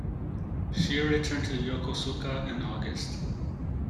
She returned to Yokosuka in August.